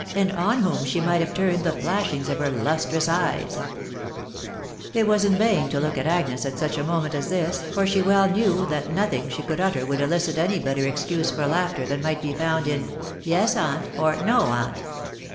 and on whom she might have turned the flashings of her lustrous eyes ! It was in vain to look to Agnes at such a moment as this, for she well knew that nothing she could utter would elicit any better excuse for laughter than might be found in " Yes> aunt," or "No, aunt."